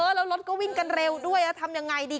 แล้วรถก็วิ่งกันเร็วด้วยแล้วทำยังไงดี